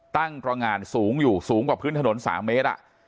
ตั้งตรงานสูงอยู่สูงกว่าพื้นถนน๓เมตร